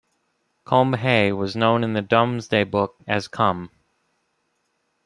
Combe Hay was known in the Domesday Book as Cumb.